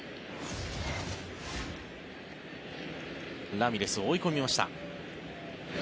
ラミレス、追い込みました。